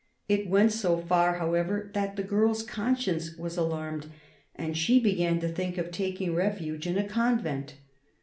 It went so far, however, that the girl's conscience was alarmed, and she began to think of taking refuge in a convent.